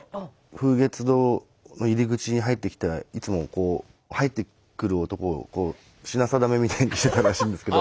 風月堂の入り口に入ってきたいつもこう入ってくる男をこう品定めみたいにしてたらしいんですけど。